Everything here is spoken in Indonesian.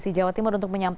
sah juga di calon gubernur